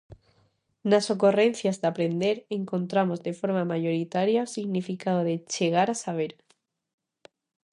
Nas ocorrencias de aprender encontramos de forma maioritaria o significado de 'chegar a saber'.